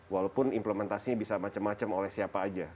walaupun implementasinya bisa macam macam oleh siapa aja